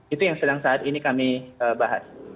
itu yang sedang saat ini kami bahas